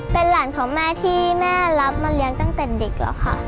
เป็นหลานของแม่ที่แม่รับมาเลี้ยงตั้งแต่เด็กแล้วค่ะ